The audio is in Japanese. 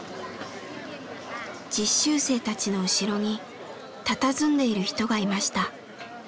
実習生たちの後ろにたたずんでいる人がいました。